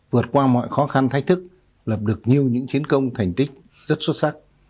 vượt qua mọi khó khăn thách thức lập được nhiều những chiến công thành tích rất xuất sắc